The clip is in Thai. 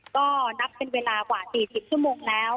ก็นับเป็นเวลากว่า๔๐ชั่วโมงแล้ว